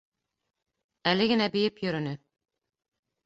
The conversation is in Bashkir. Әле генә бейеп йөрөнө.